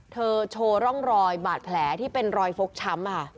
โชว์ร่องรอยบาดแผลที่เป็นรอยฟกช้ำค่ะ